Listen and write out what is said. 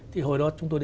thì hồi đó chúng tôi đã